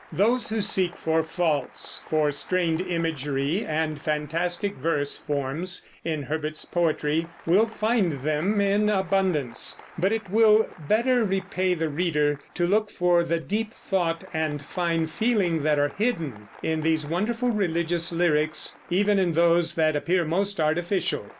Those who seek for faults, for strained imagery and fantastic verse forms in Herbert's poetry, will find them in abundance; but it will better repay the reader to look for the deep thought and fine feeling that are hidden in these wonderful religious lyrics, even in those that appear most artificial.